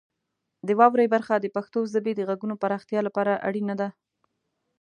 د واورئ برخه د پښتو ژبې د غږونو پراختیا لپاره اړینه ده.